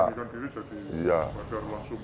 menyelidikan diri jadi pagar langsung